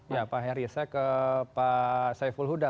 ya pak heri saya ke pak saiful huda